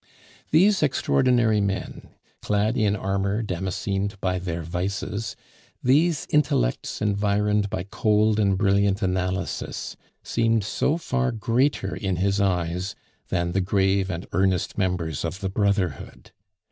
These extraordinary men, clad in armor damascened by their vices, these intellects environed by cold and brilliant analysis, seemed so far greater in his eyes than the grave and earnest members of the brotherhood.